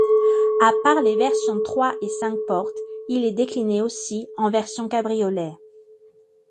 À part les versions trois et cinq-portes, il est décliné aussi en version cabriolet.